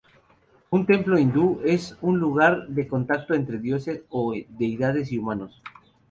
Un templo hindú es un lugar de contacto entre dioses o deidades, y humanos.